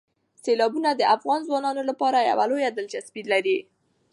سیلابونه د افغان ځوانانو لپاره یوه لویه دلچسپي لري.